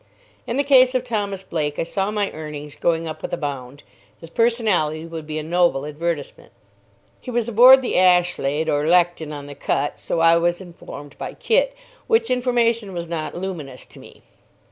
In the case of Thomas Blake I saw my earnings going up with a bound. His personality would be a noble advertisement. He was aboard the Ashlade or Lechton on the Cut, so I was informed by Kit. Which information was not luminous to me.